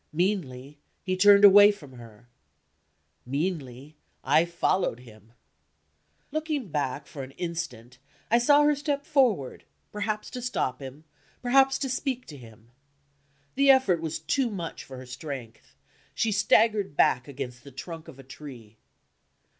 Meanly, he turned away from her. Meanly, I followed him. Looking back for an instant, I saw her step forward; perhaps to stop him, perhaps to speak to him. The effort was too much for her strength; she staggered back against the trunk of a tree.